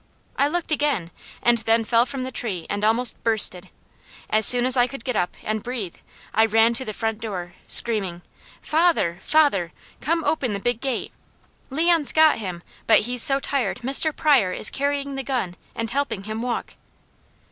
I looked again, and then fell from the tree and almost bursted. As soon as I could get up, and breathe, I ran to the front door, screaming: "Father! Father! Come open the Big Gate. Leon's got him, but he's so tired Mr. Pryor is carrying the gun, and helping him walk!"